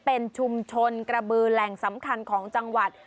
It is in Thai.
เป็นชุมชนกระบือแหล่งสำคัญของจังหวัด